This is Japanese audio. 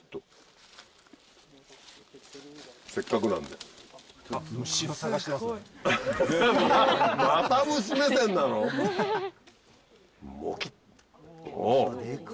せっかくなんで。もぎっ。